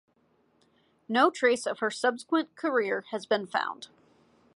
No trace of her subsequent career has been found.